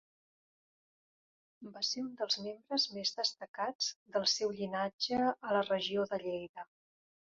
Va ser un dels membres més destacats del seu llinatge a la regió de Lleida.